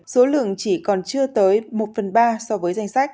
số lượng chỉ còn chưa tới một phần ba so với danh sách